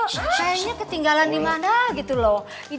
kayaknya ketinggalan di mana gitu loh